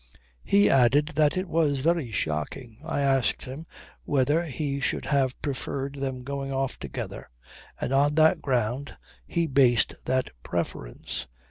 He added that it was very shocking. I asked him whether he should have preferred them going off together; and on what ground he based that preference.